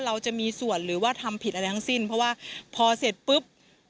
เราจะมีส่วนหรือว่าทำผิดอะไรทั้งสิ้นเพราะว่าพอเสร็จปุ๊บ